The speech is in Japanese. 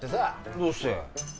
どうして？